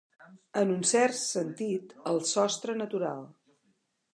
En un cert sentit, el sostre natural.